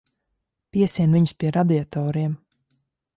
Piesien viņus pie radiatoriem.